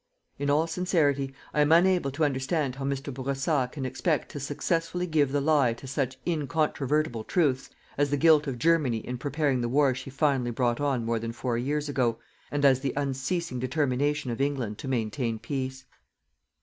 In all sincerity, I am unable to understand how Mr. Bourassa can expect to successfully give the lie to such incontrovertible truths as the guilt of Germany in preparing the war she finally brought on more than four years ago, and as the unceasing determination of England to maintain peace.